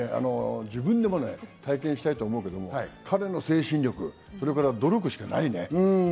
自分でもね、体験したいと思うけども、彼の精神力、努力しかないね。